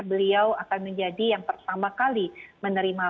beliau akan menjadi yang pertama kali menerima